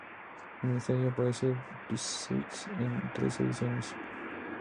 Este año aparece "Psyche" en tres ediciones.